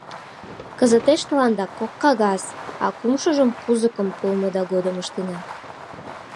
Кызытеш тыланда кок кагаз, а кумшыжым кузыкым пуымыда годым ыштена.